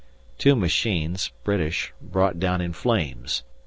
Two machines (British) brought down in flames.